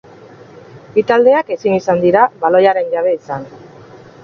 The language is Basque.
Bi taldeak ezin izan dira baloiaren jabe izan.